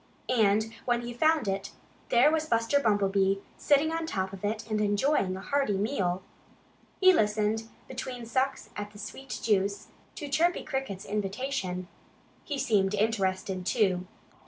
And when he found it, there was Buster Bumblebee, sitting on top of it and enjoying a hearty meal. He listened, between sucks at the sweet juice, to Chirpy Cricket's invitation. He seemed interested, too.